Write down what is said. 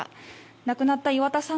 亡くなった岩田さん